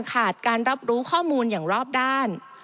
ขาดการรับรู้ข้อมูลอย่างรอบด้าน